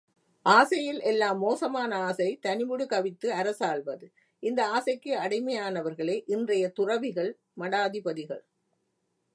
ஆசையில் எல்லாம் மோசமான ஆசை தனிமுடி கவித்து அரசாள்வது இந்த ஆசைக்கு அடிமையானவர்களே இன்றைய துறவிகள் மடாதிபதிகள்.